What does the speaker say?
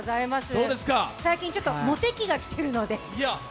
最近モテ期がきてるので。